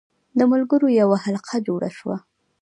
د ملګرو یوه حلقه جوړه شوه.